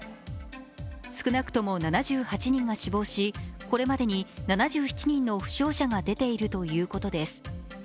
少なくとも７８人が死亡しこれまでに７７人の負傷者が出ているということです。